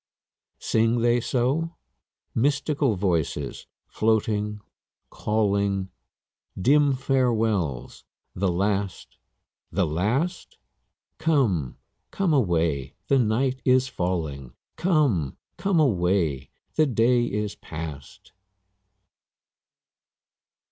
Sing they so? Mystical voices, floating, calling; Dim farewells the last, the last? Come, come away, the night is falling; 'Come, come away, the day is past.'